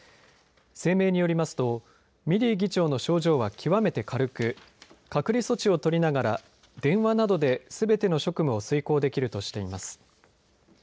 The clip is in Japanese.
声明によりますとミリー議長の症状は極めて軽く隔離措置を取りながら電話などですべての職務を遂行できるとしています。